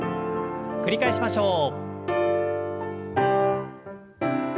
繰り返しましょう。